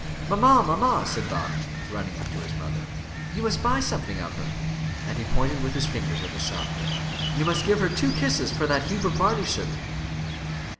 "Mamma, mamma," said Bobby, running up to his mother, "you must buy something of her," and he pointed with his fingers at the shop girl. "You must give her two kisses for that heap of barley sugar."